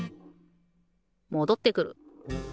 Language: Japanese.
もどってくる。